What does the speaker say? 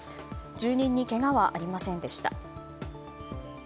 住人にけがはありませんでした。